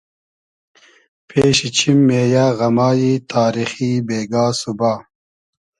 پېشی چیم مې یۂ غئمای تاریخی بېگا سوبا